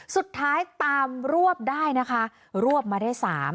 สุดท้ายตามรวบได้นะคะรวบมาได้๓